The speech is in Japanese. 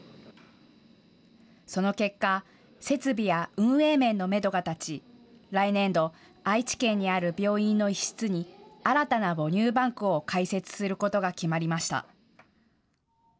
その結果、設備や運営面のめどが立ち来年度、愛知県にある病院の一室に新たな母乳バンクを開設することが決まりました。